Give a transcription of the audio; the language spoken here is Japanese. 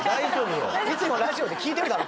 いつもラジオで聞いてるだろ